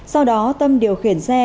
sau đó tâm điều khiển xe